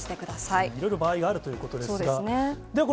いろいろ場合があるということですが。